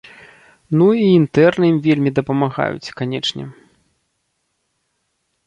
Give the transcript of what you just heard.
Ну і інтэрны ім вельмі дапамагаюць, канечне.